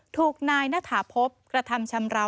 ถูกนายณฐาพบกระทำชำราว